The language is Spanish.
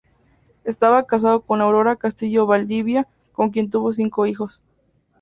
Estaba casado con Aurora Castillo Valdivia, con quien tuvo cinco hijos.